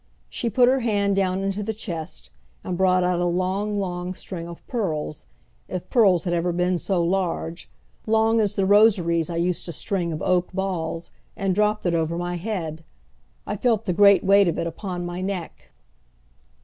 She put her hand down into the chest and brought out a long, long string of pearls if pearls had ever been so large long as the rosaries I used to string of oak balls, and dropped it over my head. I felt the great weight of it upon my neck.